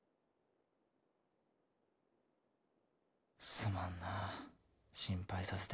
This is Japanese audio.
すまんなあ心配させて。